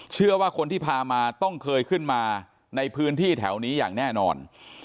เชื่อว่าคนที่พามาต้องเคยขึ้นมาในพื้นที่แถวนี้อย่างแน่นอน